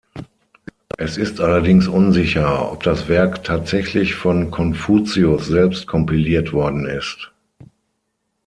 Es ist allerdings unsicher, ob das Werk tatsächlich von Konfuzius selbst kompiliert worden ist.